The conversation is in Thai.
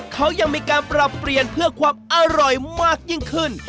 เขายังมีการปรับเปลี่ยนเพื่อความอร่อยมากยิ่งขึ้น